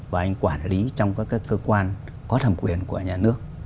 và anh quản lý trong các cơ quan có thẩm quyền của nhà nước